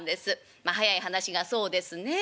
まあ早い話がそうですねえ